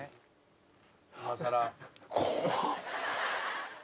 怖っ！